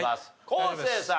昴生さん。